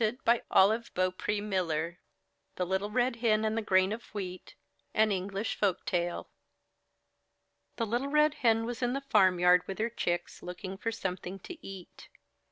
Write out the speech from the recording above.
59 MY BOOK HOUSE THE LITTLE RED HEN AND THE GRAIN OF WHEAT An English Folk Tale The Little Red Hen was in the farmyard with her chicks looking for something to eat.